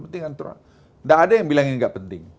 tidak ada yang bilang ini nggak penting